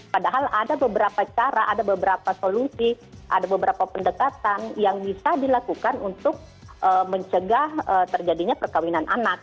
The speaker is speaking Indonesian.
padahal ada beberapa cara ada beberapa solusi ada beberapa pendekatan yang bisa dilakukan untuk mencegah terjadinya perkawinan anak